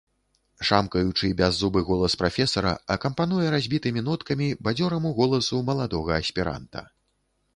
Шамкаючы бяззубы голас прафесара акампануе разбітымі ноткамі бадзёраму голасу маладога аспіранта.